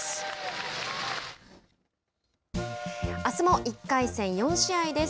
あすも１回戦４試合です。